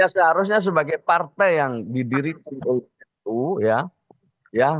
seharusnya sebagai partai yang didirikan nu ya